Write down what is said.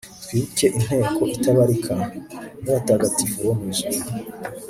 twibuke inteko itabarika, y'abatagatifu bo mu ijuru